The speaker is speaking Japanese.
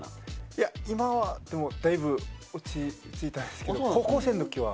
今はだいぶ落ち着いたんですけれども高校生のときは。